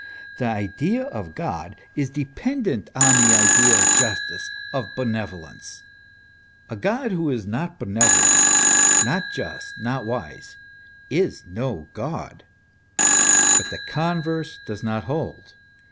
The idea of God is dependent on the idea of justice, of benevolence ; a God who is not benevolent, not just, not wise, is no God ; but the converse does not hold.